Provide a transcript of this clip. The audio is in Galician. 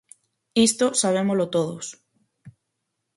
Isto sabémolo todos.